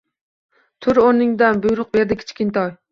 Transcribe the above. Tur o`rningdan, buyruq berdi Kichkintoy